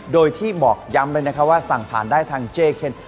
โดยที่บอกย้ำเลยนะคะว่าสั่งผ่านได้ทางเจเคน